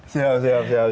siap siap siap